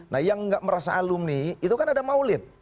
nah yang nggak merasa alumni itu kan ada maulid